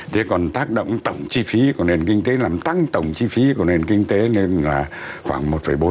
thế còn tác động tổng chi phí của nền kinh tế làm tăng tổng chi phí của nền kinh tế lên là khoảng một bốn